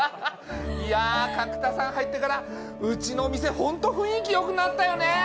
いや角田さん入ってからうちのお店ホント雰囲気良くなったよね？